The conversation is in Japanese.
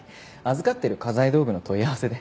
預かってる家財道具の問い合わせで。